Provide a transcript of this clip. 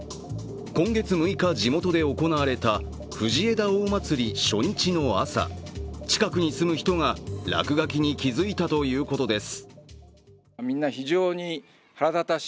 今月６日、地元で行われた藤枝大祭り初日の朝近くに住む人が、落書きに気づいたということです。